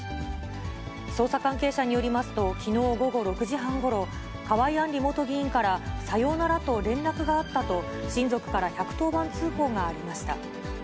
捜査関係者によりますと、きのう午後６時半ごろ、河井案里元議員からさようならと連絡があったと、親族から１１０番通報がありました。